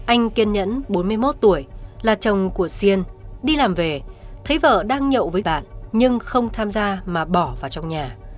anh kiên nhẫn bốn mươi một tuổi là chồng của siên đi làm về thấy vợ đang nhậu với bạn nhưng không tham gia mà bỏ vào trong nhà